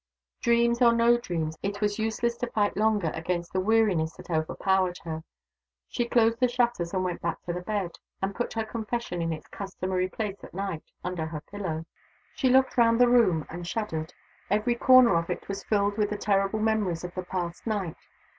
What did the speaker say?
Dreams or no dreams, it was useless to fight longer against the weariness that overpowered her. She closed the shutters, and went back to the bed; and put her Confession in its customary place at night, under her pillow. She looked round the room and shuddered. Every corner of it was filled with the terrible memories of the past night.